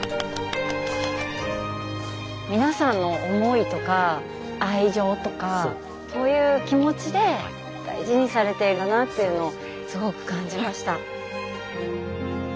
皆さんの思いとか愛情とかそういう気持ちで大事にされているなっていうのをすごく感じました。